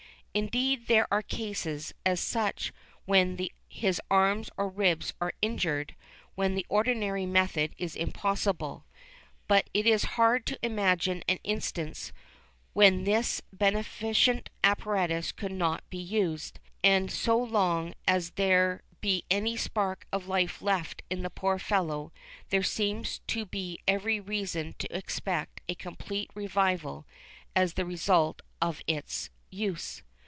Indeed there are cases, such as when his arms or ribs are injured, when the ordinary method is impossible, but it is hard to imagine an instance when this beneficent apparatus could not be used, and so long as there be any spark of life left in the poor fellow there seems to be every reason to expect a complete revival as the result of its use.